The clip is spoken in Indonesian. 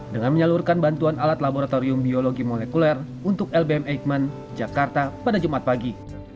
dengan menyalurkan bantuan alat laboratorium biologi molekuler untuk lbm eijkman jakarta pada jumat pagi